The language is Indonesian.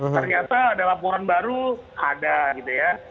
ternyata ada laporan baru ada gitu ya